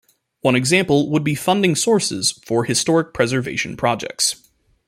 One example would be funding sources for historic preservation projects.